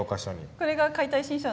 これが「解体新書」の中身